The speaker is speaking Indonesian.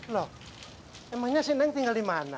loh emangnya si neng tinggal di mana